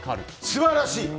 素晴らしい！